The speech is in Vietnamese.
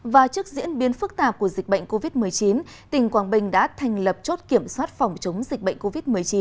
và trước diễn biến phức tạp của dịch bệnh covid một mươi chín tỉnh quảng bình đã thành lập chốt kiểm soát phòng chống dịch bệnh covid một mươi chín